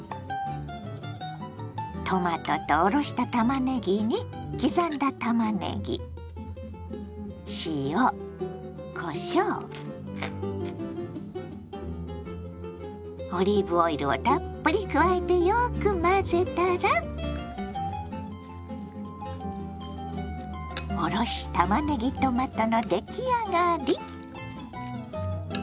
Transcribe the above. トマトとおろしたたまねぎに刻んだたまねぎ塩こしょうオリーブオイルをたっぷり加えてよく混ぜたら「おろしたまねぎトマト」の出来上がり。